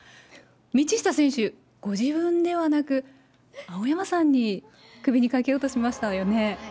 道下選手、ご自分ではなく、青山さんに、首にかけようとしましたよね。